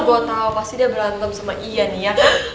gue tau pasti dia berantem sama ian ya